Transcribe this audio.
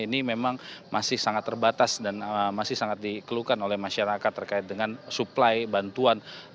ini memang masih sangat terbatas dan masih sangat dikeluhkan oleh masyarakat terkait dengan suplai bantuan